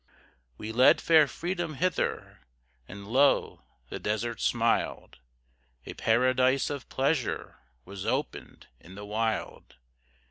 We led fair Freedom hither, And lo, the desert smiled! A paradise of pleasure Was opened in the wild!